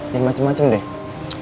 yang macem macem deh